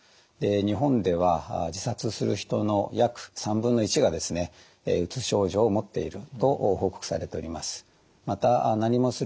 日本では自殺する人の約1/3がですねうつ症状を持っていると報告されております。